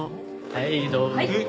はいどうぞ。